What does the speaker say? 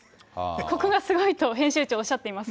ここがすごいと、編集長おっしゃっています。